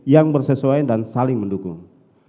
yang bersesuaian dan saling mendukung